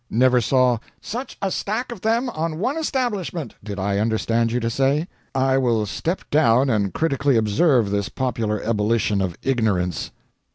Never saw 'such a stack of them on one establishment,' did I understand you to say? I will step down and critically observe this popular ebullition of ignorance."